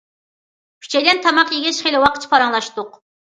ئۈچەيلەن تاماق يېگەچ خېلى ۋاققىچە پاراڭلاشتۇق.